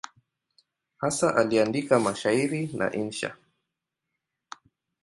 Hasa aliandika mashairi na insha.